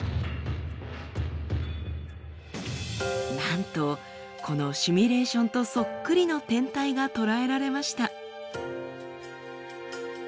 なんとこのシミュレーションとそっくりの天体が捉えられました。